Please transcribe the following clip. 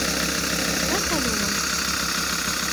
لا تلوم نفسك.